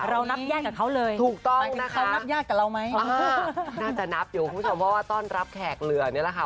ถ้าเรานับแยกกับเขาเลยมันจะนับอยู่คุณผู้ชมว่าว่าต้อนรับแขกเหลืองี้แหละค่ะ